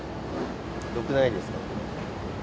ひどくないですか。